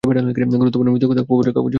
গুরুত্বপূর্ণ মৃত্যুর কথা খবরের কাগজে থাকবেই।